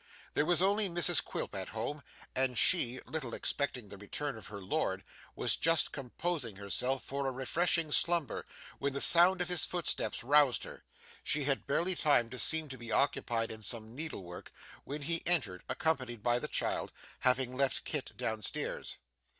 There was only Mrs Quilp at home, and she, little expecting the return of her lord, was just composing herself for a refreshing slumber when the sound of his footsteps roused her. She had barely time to seem to be occupied in some needle work, when he entered, accompanied by the child; having left Kit downstairs.